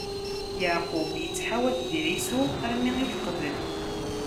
Yeɛqub ittḥawat di Ɛisu armi i yeqbel.